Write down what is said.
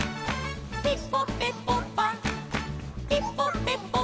「ピポペポパピポペポパ」